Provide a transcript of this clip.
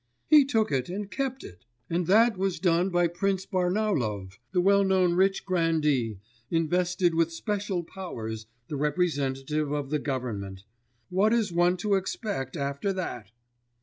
'He took it and kept it. And that was done by Prince Barnaulov, the well known rich grandee, invested with special powers, the representative of the government. What is one to expect after that!